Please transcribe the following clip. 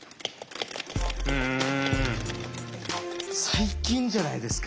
最近じゃないですか。